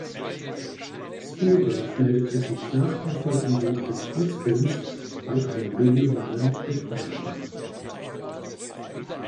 Spielberg meldete sich nach der Vollendung des Kurzfilms bei einem regionalen Wettbewerb an.